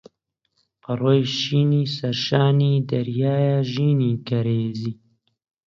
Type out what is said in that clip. پەڕۆی شینی سەرشانی دەریایە ژینی کەرێزی